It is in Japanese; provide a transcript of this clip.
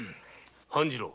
・半次郎！